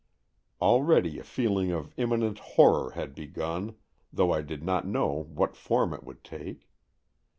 Already a feeling of imminent horror had begun, though I did not know what form it would take.